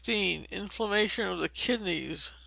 Inflammation of the Kidneys.